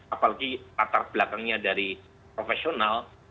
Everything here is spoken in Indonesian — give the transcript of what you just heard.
apalagi latar belakangnya dari profesional